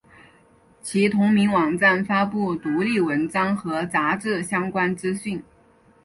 其同名网站发布独立文章和杂志相关资讯。